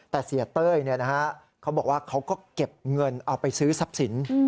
แต่เสียเต้ยเขาบอกว่าเขาก็เก็บเงินเอาไปซื้อทรัพย์สิน